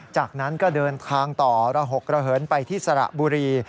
จากนั้นก็เดินทางต่อระหกระเหินไปที่สระบุรี